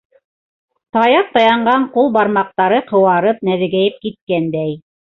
Таяҡ таянған ҡул бармаҡтары ҡыуарып, нәҙегәйеп киткәндәй.